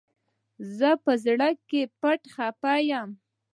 زه په زړه کي پټ خپه يم